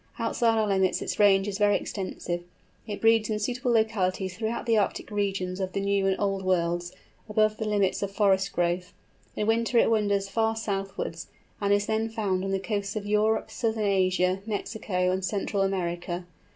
Outside our limits its range is very extensive. It breeds in suitable localities throughout the Arctic regions of the New and Old Worlds, above the limits of forest growth; in winter it wanders far southwards, and is then found on the coasts of Europe, Southern Asia, Mexico, and Central America.